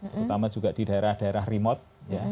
terutama juga di daerah daerah remote